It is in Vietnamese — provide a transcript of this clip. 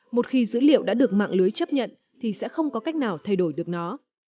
một khi dữ liệu đã được mạng lưới chấp nhận thì sẽ không có cách nào thay đổi được nó